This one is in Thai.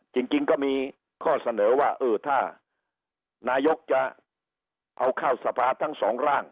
จริงก็มีข้อเสนอว่าเออถ้านายกจะเอาเข้าสภาทั้งสองร่าง